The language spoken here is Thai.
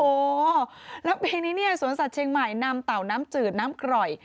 โอ้โหแล้วปีนี้เนี่ยสวนสัตว์เชียงใหม่นำเต่าน้ำจืดน้ำกร่อย